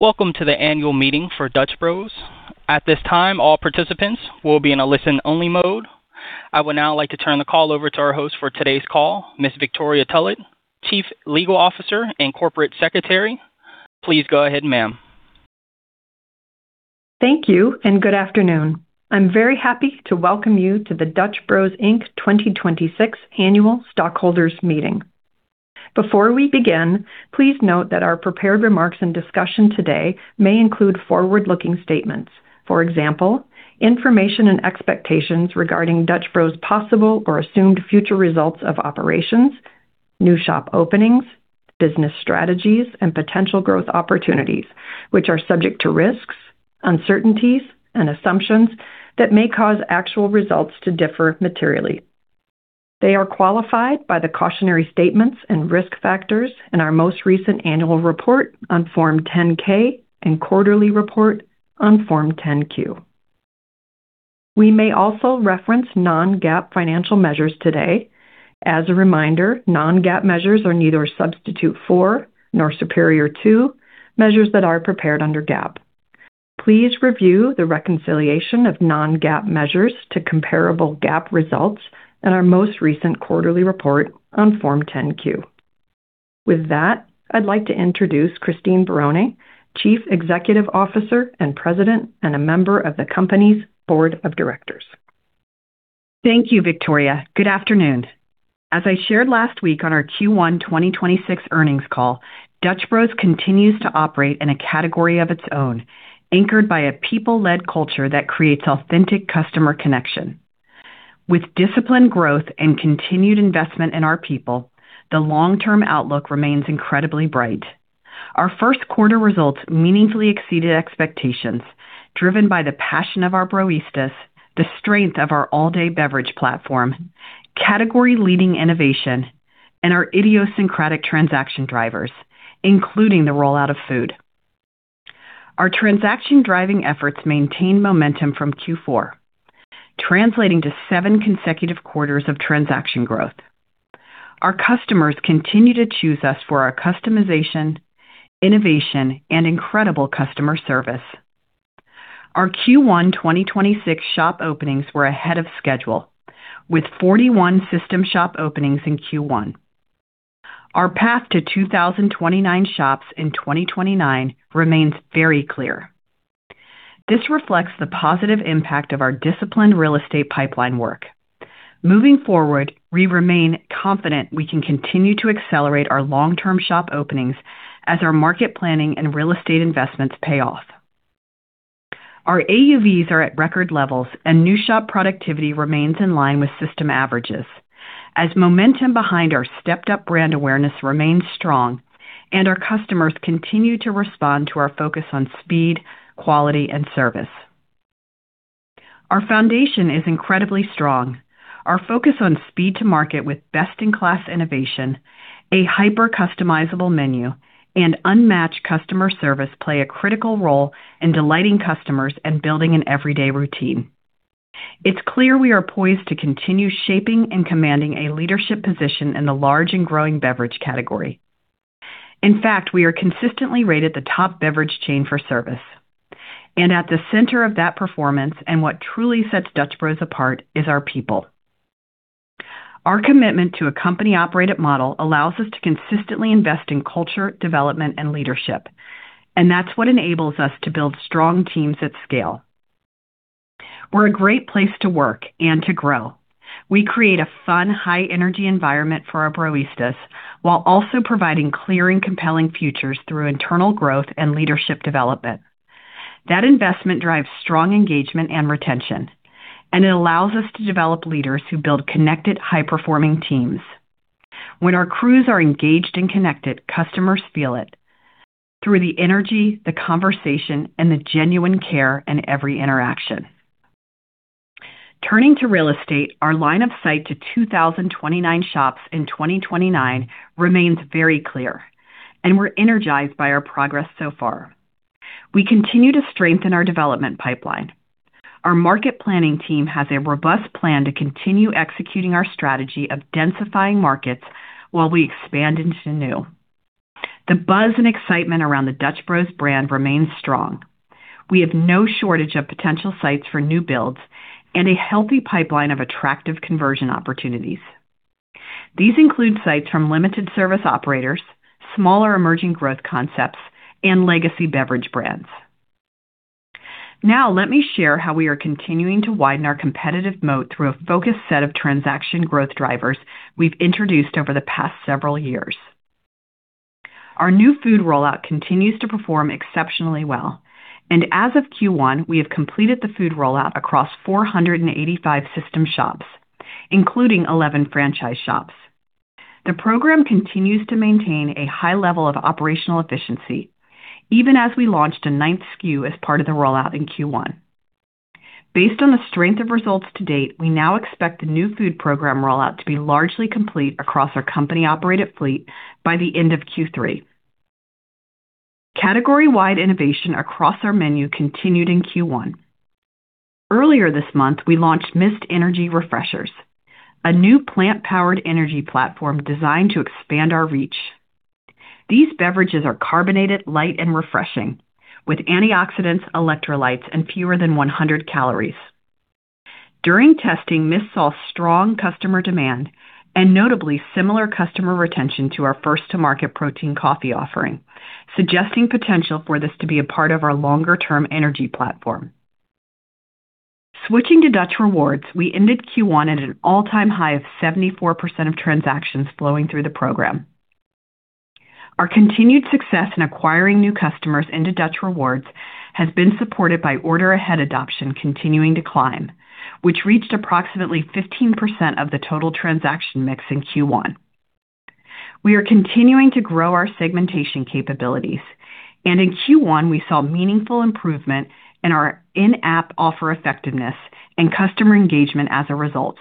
Welcome to the annual meeting for Dutch Bros. At this time, all participants will be in a listen-only mode. I would now like to turn the call over to our host for today's call, Ms. Victoria Tullett, Chief Legal Officer and Corporate Secretary. Please go ahead, ma'am. Thank you and good afternoon. I'm very happy to welcome you to the Dutch Bros Inc 2026 annual stockholders meeting. Before we begin, please note that our prepared remarks and discussion today may include forward-looking statements. For example, information and expectations regarding Dutch Bros possible or assumed future results of operations, new shop openings, business strategies, and potential growth opportunities, which are subject to risks, uncertainties, and assumptions that may cause actual results to differ materially. They are qualified by the cautionary statements and risk factors in our most recent annual report on Form 10-K and quarterly report on Form 10-Q. We may also reference non-GAAP financial measures today. As a reminder, non-GAAP measures are neither a substitute for nor superior to measures that are prepared under GAAP. Please review the reconciliation of non-GAAP measures to comparable GAAP results in our most recent quarterly report on Form 10-Q. With that, I'd like to introduce Christine Barone, Chief Executive Officer and President, and a member of the company's Board of Directors. Thank you, Victoria. Good afternoon. As I shared last week on our Q1 2026 earnings call, Dutch Bros continues to operate in a category of its own, anchored by a people-led culture that creates authentic customer connection. With disciplined growth and continued investment in our people, the long-term outlook remains incredibly bright. Our first quarter results meaningfully exceeded expectations, driven by the passion of our Broistas, the strength of our all-day beverage platform, category-leading innovation, and our idiosyncratic transaction drivers, including the rollout of food. Our transaction-driving efforts maintain momentum from Q4, translating to seven consecutive quarters of transaction growth. Our customers continue to choose us for our customization, innovation, and incredible customer service. Our Q1 2026 shop openings were ahead of schedule, with 41 system shop openings in Q1. Our path to 2029 shops in 2029 remains very clear. This reflects the positive impact of our disciplined real estate pipeline work. Moving forward, we remain confident we can continue to accelerate our long-term shop openings as our market planning and real estate investments pay off. Our AUVs are at record levels and new shop productivity remains in line with system averages as momentum behind our stepped up brand awareness remains strong and our customers continue to respond to our focus on speed, quality, and service. Our foundation is incredibly strong. Our focus on speed to market with best-in-class innovation, a hyper-customizable menu, and unmatched customer service play a critical role in delighting customers and building an everyday routine. It's clear we are poised to continue shaping and commanding a leadership position in the large and growing beverage category. In fact, we are consistently rated the top beverage chain for service. At the center of that performance and what truly sets Dutch Bros apart is our people. Our commitment to a company-operated model allows us to consistently invest in culture, development, and leadership, and that's what enables us to build strong teams at scale. We're a great place to work and to grow. We create a fun, high energy environment for our Broistas while also providing clear and compelling futures through internal growth and leadership development. That investment drives strong engagement and retention, and it allows us to develop leaders who build connected, high-performing teams. When our crews are engaged and connected, customers feel it through the energy, the conversation, and the genuine care in every interaction. Turning to real estate, our line of sight to 2,029 shops in 2029 remains very clear, and we're energized by our progress so far. We continue to strengthen our development pipeline. Our market planning team has a robust plan to continue executing our strategy of densifying markets while we expand into new. The buzz and excitement around the Dutch Bros brand remains strong. We have no shortage of potential sites for new builds and a healthy pipeline of attractive conversion opportunities. These include sites from limited service operators, smaller emerging growth concepts, and legacy beverage brands. Let me share how we are continuing to widen our competitive moat through a focused set of transaction growth drivers we've introduced over the past several years. Our new food rollout continues to perform exceptionally well, and as of Q1, we have completed the food rollout across 485 system shops, including 11 franchise shops. The program continues to maintain a high level of operational efficiency even as we launched a 9th SKU as part of the rollout in Q1. Based on the strength of results to date, we now expect the new food program rollout to be largely complete across our company-operated fleet by the end of Q3. Category-wide innovation across our menu continued in Q1. Earlier this month, we launched Myst Energy Refreshers, a new plant-powered energy platform designed to expand our reach. These beverages are carbonated, light, and refreshing with antioxidants, electrolytes, and fewer than 100 calories. During testing, Myst saw strong customer demand and notably similar customer retention to our first to market protein coffee offering, suggesting potential for this to be a part of our longer-term energy platform. Switching to Dutch Rewards, we ended Q1 at an all-time high of 74% of transactions flowing through the program. Our continued success in acquiring new customers into Dutch Rewards has been supported by order ahead adoption continuing to climb, which reached approximately 15% of the total transaction mix in Q1. We are continuing to grow our segmentation capabilities, in Q1, we saw meaningful improvement in our in-app offer effectiveness and customer engagement as a result.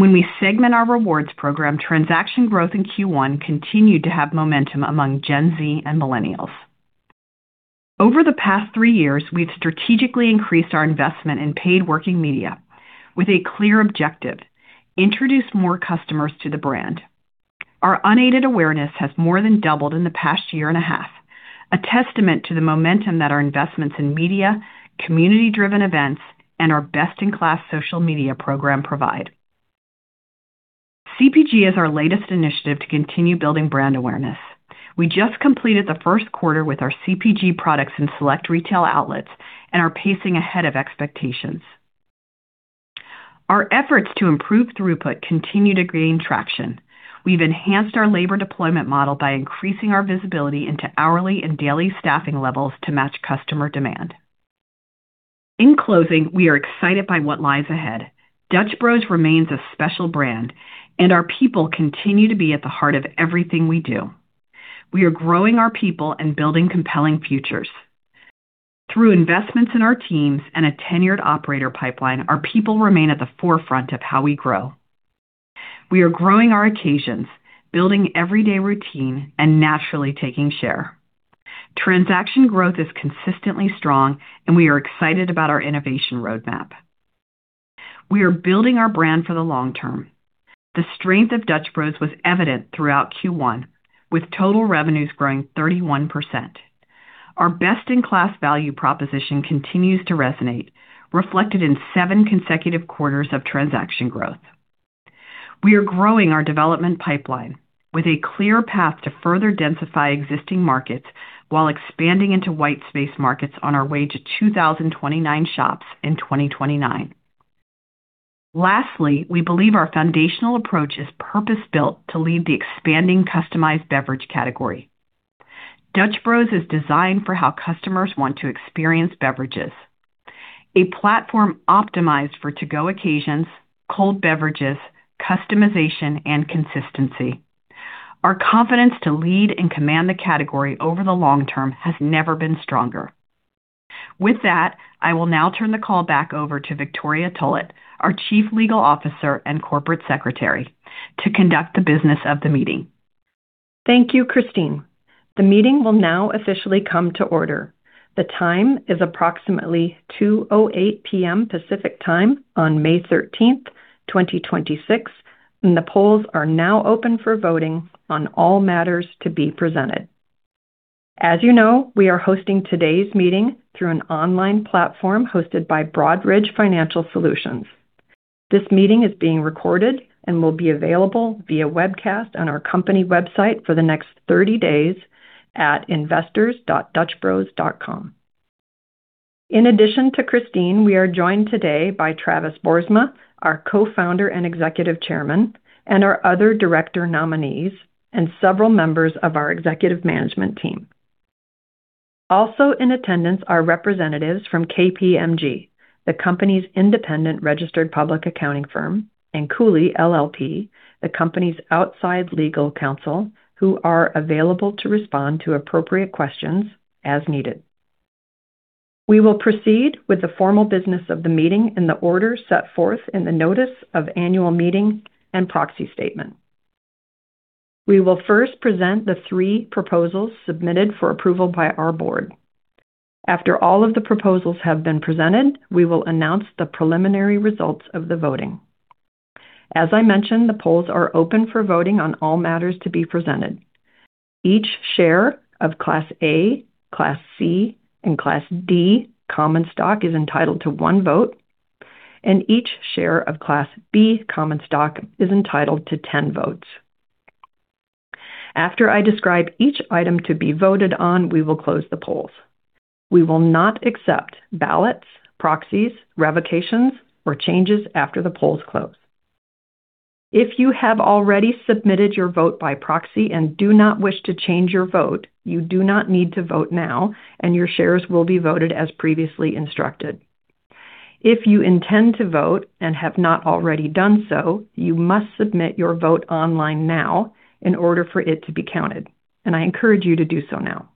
When we segment our rewards program, transaction growth in Q1 continued to have momentum among Gen Z and millennials. Over the past three years, we've strategically increased our investment in paid working media with a clear objective: introduce more customers to the brand. Our unaided awareness has more than doubled in the past year and a half, a testament to the momentum that our investments in media, community-driven events, and our best-in-class social media program provide. CPG is our latest initiative to continue building brand awareness. We just completed the first quarter with our CPG products in select retail outlets and are pacing ahead of expectations. Our efforts to improve throughput continue to gain traction. We've enhanced our labor deployment model by increasing our visibility into hourly and daily staffing levels to match customer demand. In closing, we are excited by what lies ahead. Dutch Bros remains a special brand, and our people continue to be at the heart of everything we do. We are growing our people and building compelling futures. Through investments in our teams and a tenured operator pipeline, our people remain at the forefront of how we grow. We are growing our occasions, building everyday routine, and naturally taking share. Transaction growth is consistently strong, and we are excited about our innovation roadmap. We are building our brand for the long term. The strength of Dutch Bros was evident throughout Q1, with total revenues growing 31%. Our best-in-class value proposition continues to resonate, reflected in seven consecutive quarters of transaction growth. We are growing our development pipeline with a clear path to further densify existing markets while expanding into white space markets on our way to 2,029 shops in 2029. Lastly, we believe our foundational approach is purpose-built to lead the expanding customized beverage category. Dutch Bros is designed for how customers want to experience beverages. A platform optimized for to-go occasions, cold beverages, customization, and consistency. Our confidence to lead and command the category over the long term has never been stronger. With that, I will now turn the call back over to Victoria Tullett, our Chief Legal Officer and Corporate Secretary, to conduct the business of the meeting. Thank you, Christine. The meeting will now officially come to order. The time is approximately 2:08 P.M. Pacific Time on May 13, 2026. The polls are now open for voting on all matters to be presented. As you know, we are hosting today's meeting through an online platform hosted by Broadridge Financial Solutions. This meeting is being recorded and will be available via webcast on our company website for the next 30 days at investors.dutchbros.com. In addition to Christine, we are joined today by Travis Boersma, our Co-founder and Executive Chairman, and our other director nominees and several members of our executive management team. Also in attendance are representatives from KPMG, the company's independent registered public accounting firm, and Cooley LLP, the company's outside legal counsel, who are available to respond to appropriate questions as needed. We will proceed with the formal business of the meeting in the order set forth in the notice of annual meeting and proxy statement. We will first present the three proposals submitted for approval by our board. After all of the proposals have been presented, we will announce the preliminary results of the voting. As I mentioned, the polls are open for voting on all matters to be presented. Each share of Class A, Class C, and Class D common stock is entitled to 1 vote, and each share of Class B common stock is entitled to 10 votes. After I describe each item to be voted on, we will close the polls. We will not accept ballots, proxies, revocations, or changes after the polls close. If you have already submitted your vote by proxy and do not wish to change your vote, you do not need to vote now, and your shares will be voted as previously instructed. If you intend to vote and have not already done so, you must submit your vote online now in order for it to be counted, and I encourage you to do so now.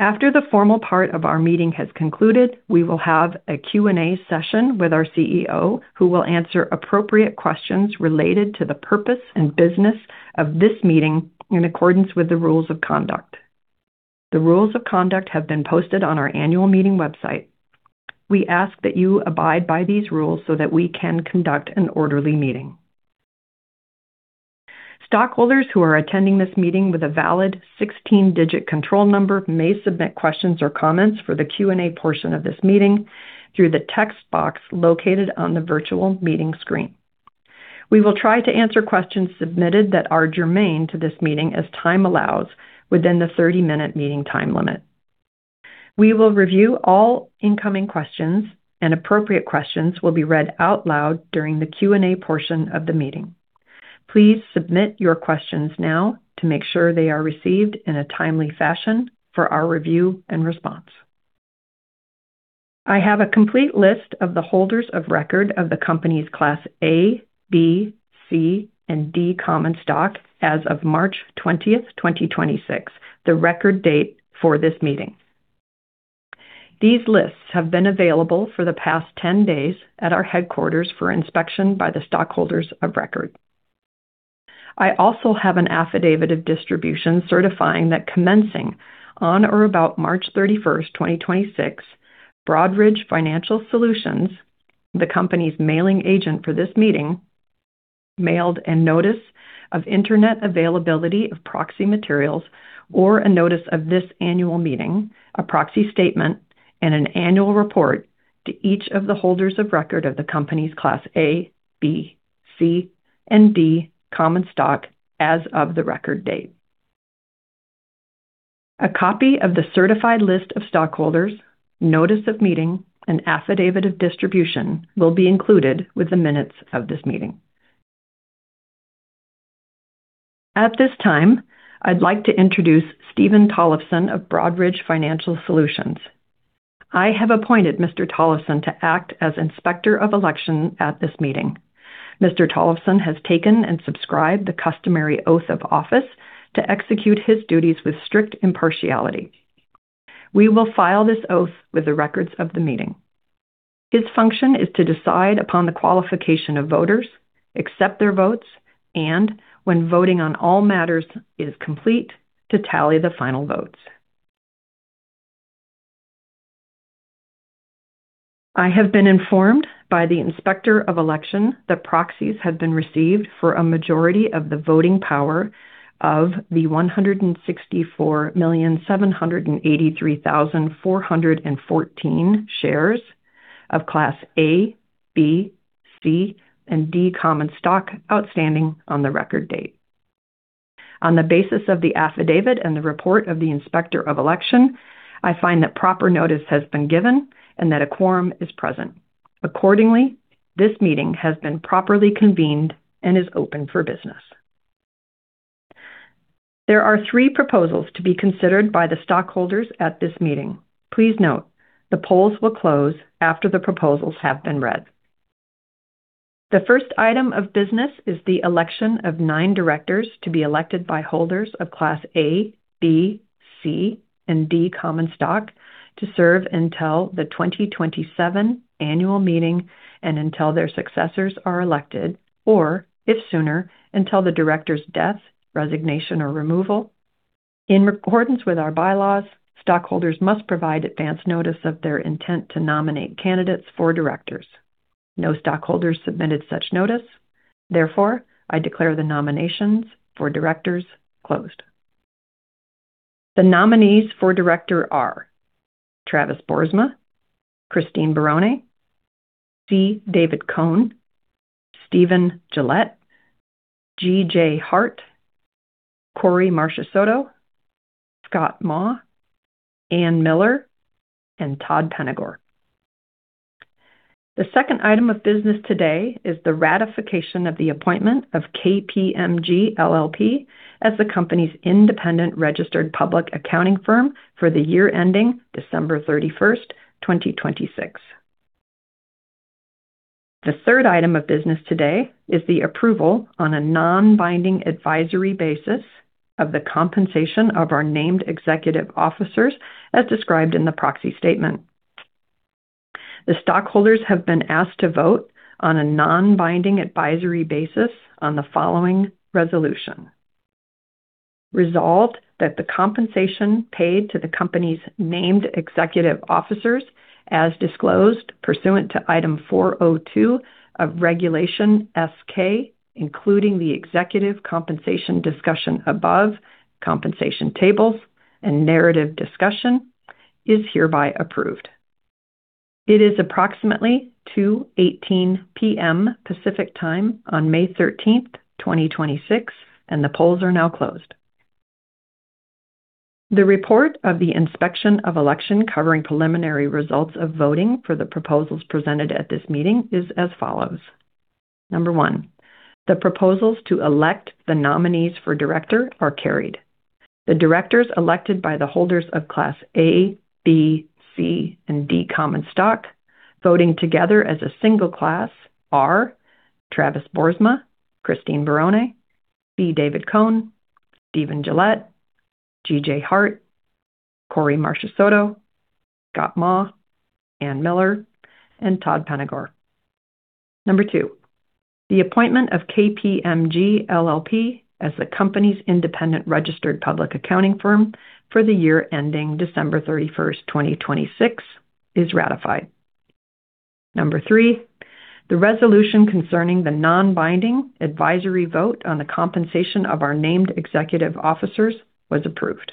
After the formal part of our meeting has concluded, we will have a Q&A session with our CEO, who will answer appropriate questions related to the purpose and business of this meeting in accordance with the rules of conduct. The rules of conduct have been posted on our annual meeting website. We ask that you abide by these rules so that we can conduct an orderly meeting. Stockholders who are attending this meeting with a valid 16-digit control number may submit questions or comments for the Q&A portion of this meeting through the text box located on the virtual meeting screen. We will try to answer questions submitted that are germane to this meeting as time allows within the 30-minute meeting time limit. We will review all incoming questions, and appropriate questions will be read out loud during the Q&A portion of the meeting. Please submit your questions now to make sure they are received in a timely fashion for our review and response. I have a complete list of the holders of record of the company's Class A, B, C, and D common stock as of March 20th, 2026, the record date for this meeting. These lists have been available for the past 10 days at our headquarters for inspection by the stockholders of record. I also have an affidavit of distribution certifying that commencing on or about March 31, 2026, Broadridge Financial Solutions, the company's mailing agent for this meeting, mailed a notice of Internet availability of proxy materials or a notice of this annual meeting, a proxy statement, and an annual report to each of the holders of record of the company's Class A, B, C, and D common stock as of the record date. A copy of the certified list of stockholders, notice of meeting, and affidavit of distribution will be included with the minutes of this meeting. At this time, I'd like to introduce Stephen Tollefson of Broadridge Financial Solutions. I have appointed Mr. Tollefson to act as Inspector of Election at this meeting. Mr. Tollefson has taken and subscribed the customary oath of office to execute his duties with strict impartiality. We will file this oath with the records of the meeting. His function is to decide upon the qualification of voters, accept their votes, and when voting on all matters is complete, to tally the final votes. I have been informed by the Inspector of Election that proxies have been received for a majority of the voting power of the 164,783,414 shares of Class A, B, C, and D common stock outstanding on the record date. On the basis of the affidavit and the report of the Inspector of Election, I find that proper notice has been given and that a quorum is present. Accordingly, this meeting has been properly convened and is open for business. There are three proposals to be considered by the stockholders at this meeting. Please note the polls will close after the proposals have been read. The first item of business is the election of nine directors to be elected by holders of Class A, B, C, and D common stock to serve until the 2027 annual meeting and until their successors are elected, or if sooner, until the director's death, resignation, or removal. In accordance with our bylaws, stockholders must provide advance notice of their intent to nominate candidates for directors. No stockholders submitted such notice. Therefore, I declare the nominations for directors closed. The nominees for director are Travis Boersma, Christine Barone, C. David Cone, Stephen Gillett, G.J. Hart, Kory Marchisotto, Scott Maw, Ann Miller, and Todd Penegor. The second item of business today is the ratification of the appointment of KPMG LLP as the company's independent registered public accounting firm for the year ending December thirty-first, 2026. The third item of business today is the approval on a non-binding advisory basis of the compensation of our named executive officers as described in the proxy statement. The stockholders have been asked to vote on a non-binding advisory basis on the following resolution. Resolved that the compensation paid to the company's named executive officers, as disclosed pursuant to Item 402 of Regulation S-K, including the executive compensation discussion above compensation tables and narrative discussion, is hereby approved. It is approximately 2:18 P.M. Pacific Time on May 13, 2026, and the polls are now closed. The report of the inspection of election covering preliminary results of voting for the proposals presented at this meeting is as follows. Number one, the proposals to elect the nominees for director are carried. The directors elected by the holders of Class A, B, C, and D common stock, voting together as a single class are Travis Boersma, Christine Barone, C. David Cone, Stephen Gillett, G.J. Hart, Kory Marchisotto, Scott Maw, Ann Miller, and Todd Penegor. Number two, the appointment of KPMG LLP as the company's independent registered public accounting firm for the year ending December 31, 2026, is ratified. Number three, the resolution concerning the non-binding advisory vote on the compensation of our named executive officers was approved.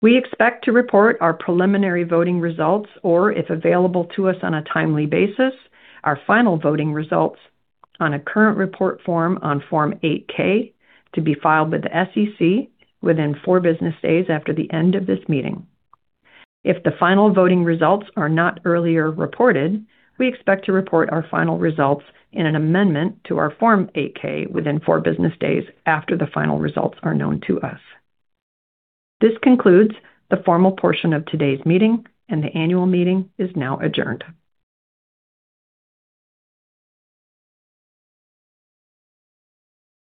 We expect to report our preliminary voting results, or if available to us on a timely basis, our final voting results on a current report form on Form 8-K to be filed with the SEC within four business days after the end of this meeting. If the final voting results are not earlier reported, we expect to report our final results in an amendment to our Form 8-K within four business days after the final results are known to us. This concludes the formal portion of today's meeting, and the annual meeting is now adjourned.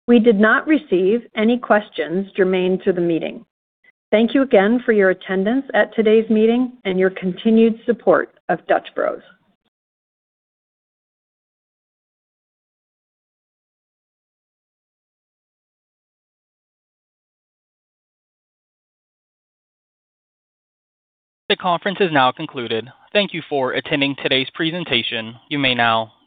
We did not receive any questions germane to the meeting. Thank you again for your attendance at today's meeting and your continued support of Dutch Bros. The conference is now concluded. Thank you for attending today's presentation. You may now disconnect.